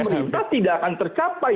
pemerintah tidak akan tercapai